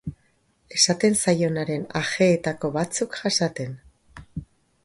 Esaten zaionaren ajeetako batzuk jasaten.